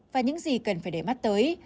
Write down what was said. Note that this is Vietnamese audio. và những gì cần phải để mắt tới